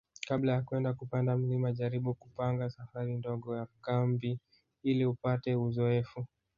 Kabla ya kwenda kupanda mlima jaribu kupanga safari ndogo ya kambi ili upate uzoefu